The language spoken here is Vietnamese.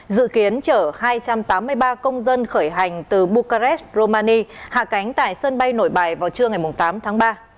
dự kiến chở hai trăm tám mươi ba công dân khởi hành từ bucharest romania hạ cánh tại sân bay nổi bài vào trưa ngày tám tháng ba